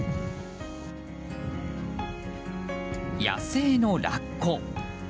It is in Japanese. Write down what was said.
野生のラッコ。